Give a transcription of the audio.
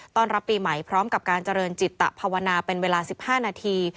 รับปีใหม่พร้อมกับการเจริญจิตตะภาวนาเป็นเวลา๑๕นาที